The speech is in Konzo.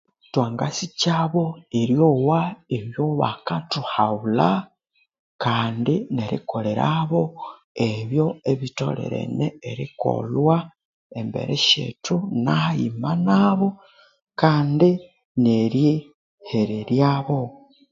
Thwanga sikyabo eryowa ebyo bakathuhabulha kandi nerikolerabo ebyo ebitholerene erikolhwa embeere syethu thune hayima nabo kandi nerihereryabo